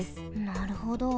なるほど。